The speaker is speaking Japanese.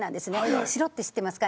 白って知ってますか？